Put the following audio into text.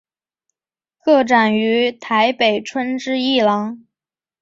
个展于台北春之艺廊。